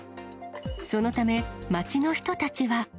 そのため、町の人たちは。